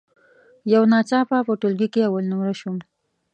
یو ناڅاپه په ټولګي کې اول نمره شوم.